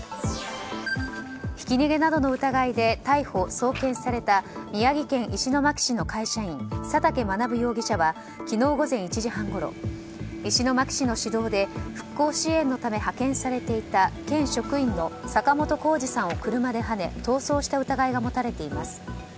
ひき逃げなどの疑いで逮捕・送検された宮城県石巻市の会社員佐竹学容疑者は昨日午前１時半ごろ石巻市の市道で復興支援のため派遣されていた県職員の坂本甲次さんを車ではね逃走した疑いが持たれています。